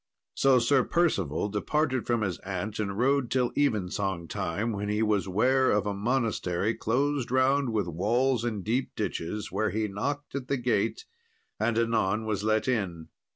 So Sir Percival departed from his aunt, and rode till evensong time, when he was ware of a monastery closed round with walls and deep ditches, where he knocked at the gate, and anon was let in.